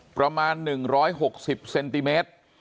ประมาณ๑๖๐เซนติเมตร